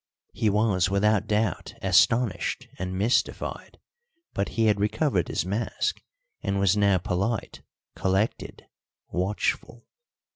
He was without doubt astonished and mystified, but he had recovered his mask, and was now polite, collected, watchful.